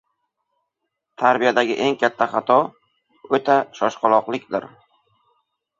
Tarbiyadagi eng katta xato, o‘ta shoshqaloqlikdir.